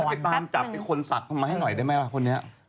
ไปตามจับไอ้คนศักดิ์เข้ามาให้หน่อยได้ไหมล่ะคนนี้